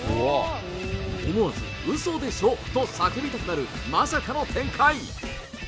思わず、うそでしょ？と叫びたくなる、まさかの展開。